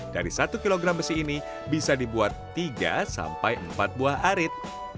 dari satu kilogram besi ini bisa dibuat tiga sampai empat buah arit